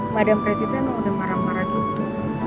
madam pratita emang udah marah marah gitu